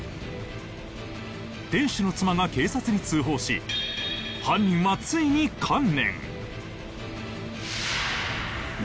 店主の妻が警察に通報し犯人はついに観念。